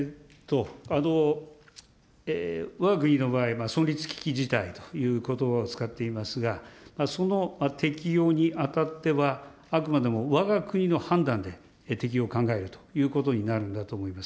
わが国の場合は、存立危機事態ということばを使っていますが、その適用にあたっては、あくまでもわが国の判断で適用を考えるということになるんだと思います。